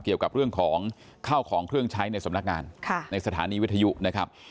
เกี่ยวกับเรื่องของข้าวของเครื่องใช้ในสำนักงานในสถานีวิทยุนะครับ